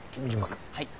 はい。